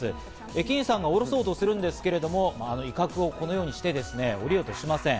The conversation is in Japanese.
駅員さんが降ろそうとするんですけれども、このように威嚇をして、降りようとしません。